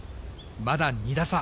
まだ２打差。